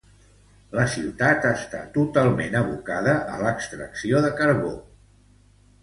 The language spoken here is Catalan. La ciutat està totalment abocada a l'extracció de carbó.